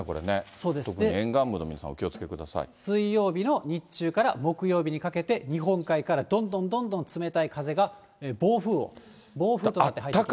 特に沿岸部の皆さん、お気を水曜日の日中から木曜日にかけて、日本海からどんどんどんどん冷たい風が暴風となって入ってきます。